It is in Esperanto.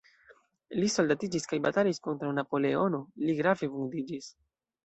Li soldatiĝis kaj batalis kontraŭ Napoleono, li grave vundiĝis.